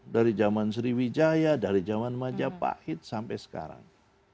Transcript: dari zaman sriwijaya dari zaman majapahit sampai sekarang